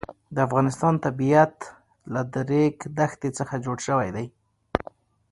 د افغانستان طبیعت له د ریګ دښتې څخه جوړ شوی دی.